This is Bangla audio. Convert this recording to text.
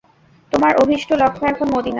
তোমার অভীষ্ট লক্ষ্য এখন মদীনা।